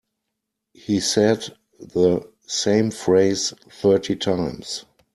He said the same phrase thirty times.